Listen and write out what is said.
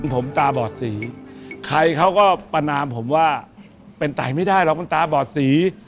ผมตาบอดสีใครเขาก็ประนามผมว่าเป็นตายไม่ได้หรอกมันตาบอดสี